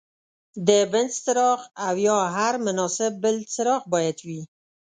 د بنسن څراغ او یا هر مناسب بل څراغ باید وي.